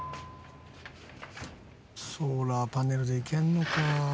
ソーラーパネルでいけるのか。